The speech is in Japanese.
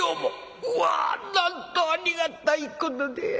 うわなんとありがたいことで。